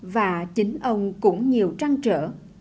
và chính ông cũng nhiều trăn trở